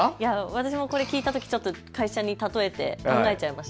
私もこれを聞いたとき会社に例えて考えちゃいました。